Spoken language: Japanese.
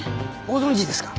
ご存じですか？